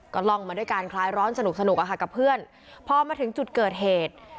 ก็ล่องมาด้วยการคลายร้อนสนุกสนุกอะค่ะกับเพื่อนพอมาถึงจุดเกิดเหตุ